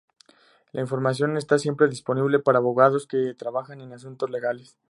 La información está siempre disponible para abogados que trabajan en asuntos legales.